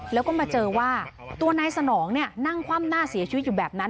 แล้วก็มาเจอว่าตัวนายสนองเนี่ยนั่งคว่ำหน้าเสียชีวิตอยู่แบบนั้น